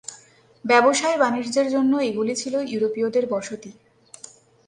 ব্যবসায়-বাণিজ্যের জন্য এগুলি ছিল ইউরোপীয়দের বসতি।